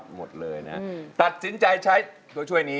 หมดเลยนะตัดสินใจใช้ตัวช่วยนี้